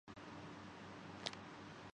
امریکا کا ٹک ٹاک